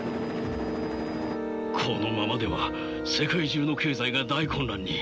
このままでは世界中の経済が大混乱に。